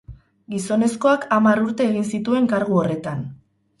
Gizonezkoak hamar urte egin zituen kargu horretan.